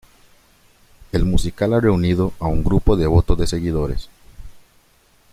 El musical ha reunido a un grupo devoto de seguidores.